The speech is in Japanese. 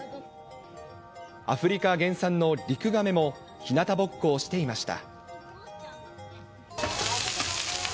アフリカ原産のリクガメもひなたぼっこをしていました。